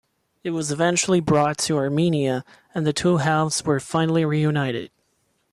It was eventually brought to Armenia and the two halves were finally reunited.